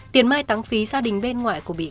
tiền mai tăng phí gia đình bên ngoại của bị cáo